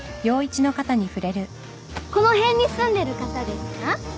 この辺に住んでる方ですか？